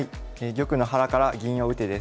「玉の腹から銀を打て」です。